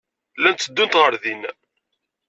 Llant tteddunt ɣer din.